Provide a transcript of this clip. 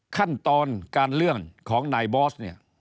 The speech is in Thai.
ขั้นตอนการเลื่อนของนายบอสเนี่ย